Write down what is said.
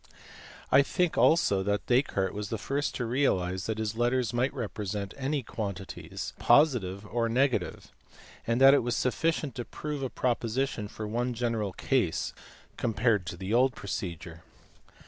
I think also that Descartes was the first to realize that his letters might represent any quantities, positive or negative, and that it was sufficient to prove a proposition for one general case (compare the old procedure as illustrated above on p. 163).